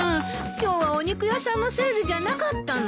今日はお肉屋さんのセールじゃなかったの？